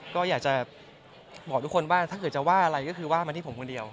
ก็อยากจะบอกทุกคนว่าถ้าเกิดว่าอะไรมันที่ผมนี่เดียว